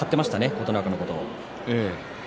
琴ノ若のことを。